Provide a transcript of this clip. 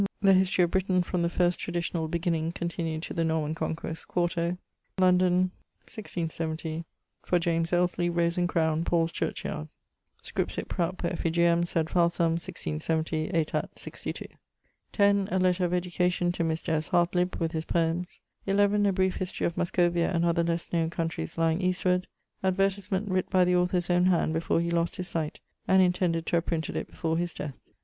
The history of Britain from the first tradicionall beginning continued to the Norman Conquest, 4to, London, MDCLXX, for James Alesly, Rose and Crowne, Paul's Churchyard. Scripsit prout per effigiem [sed falsam] 1670, aetat. 62. 10. A letter of education to Mr. S. Hartlib (with his poëms). 11. A brief history of Muscovia and other less knowne countries lyeing eastward. Advertisement: 'writt by the author's owne hand before he lost his sight and intended to have printed it before his death.'